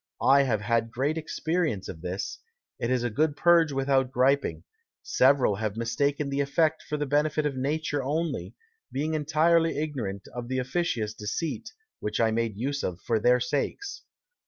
I have had great Experience of this, it is a good Purge without Griping; several have mistaken the Effect for the Benefit of Nature only, being entirely ignorant of the officious Deceit which I made use of for their sakes.